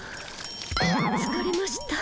つかれました。